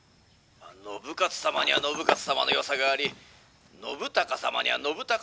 「信雄様には信雄様のよさがあり信孝様には信孝様のよさがあるかと」。